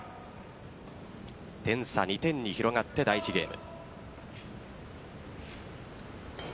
点差、２点に広がって第１ゲーム。